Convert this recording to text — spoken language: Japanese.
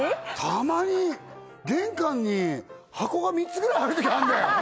たまに玄関に箱が３つぐらいあるときあんだよ